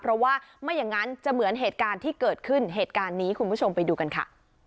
เพราะว่าไม่อย่างนั้นจะเหมือนเหตุการณ์ที่เกิดขึ้นเหตุการณ์นี้คุณผู้ชมไปดูกันค่ะ